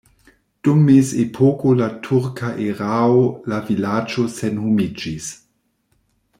Dum mezepoko la turka erao la vilaĝo senhomiĝis.